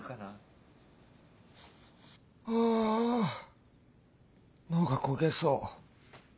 あ脳が焦げそう。